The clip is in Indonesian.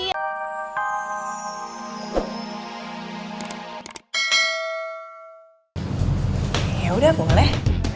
ya sudah boleh